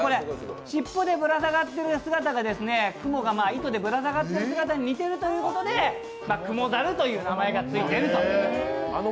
尻尾でぶら下がっている姿がクモが糸でぶら下がっている姿が似ているということで、クモザルという名前がついていると。